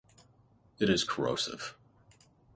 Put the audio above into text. It is corrosive.